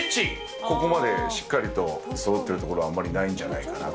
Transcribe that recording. ここまでしっかりとそろっているところはあんまりないんじゃないかなと。